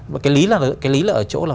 và cái lý là ở chỗ là